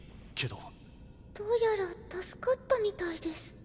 どうやら助かったみたいです。